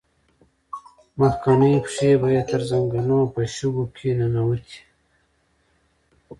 مخکينۍ پښې به يې تر زنګنو په شګو کې ننوتې.